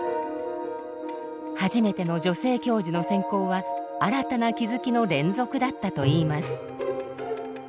初めての女性教授の選考は新たな気づきの連続だったと言います。